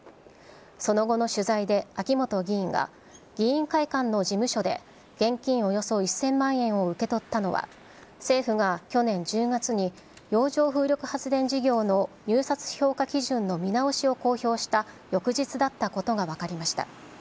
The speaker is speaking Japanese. その後の取材で秋本議員が、議員会館の事務所で現金およそ１０００万円を受け取ったのは、政府が去年１０月に洋上風力発電事業の入札評価基準の見直しを公表した翌日だったことが分かりました。